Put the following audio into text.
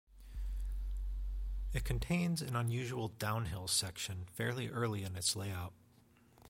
It contains an unusual "downhill" section fairly early in its layout.